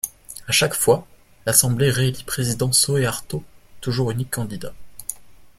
À chaque fois, l’assemblée réélit président Soeharto, toujours unique candidat.